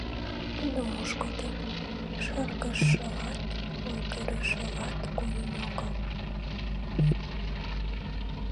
Тудо мушкылтын, шыргыжшылат, ойгырышылат койын огыл.